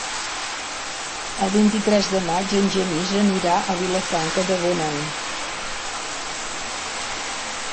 El vint-i-tres de maig en Genís anirà a Vilafranca de Bonany.